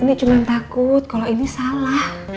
ini cuman takut kalo ini salah